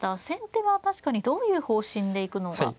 先手は確かにどういう方針で行くのが。